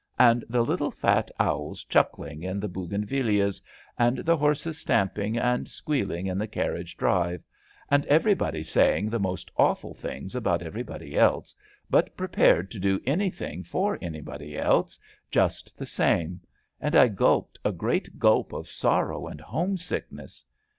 " and the little fat owls chuckling in the bougainvilleas, and the horses stamping and squealing in the carriage drive, and everybody ON EXHIBITION 253 saying the most awful things about everybody else^ but prepared to do anything for anybody else just the same; and I gulped a great gulp of sorrow and homesickness.